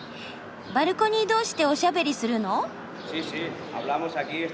バルコニー同士でおしゃべりするの？